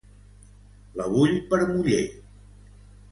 La vull per muller.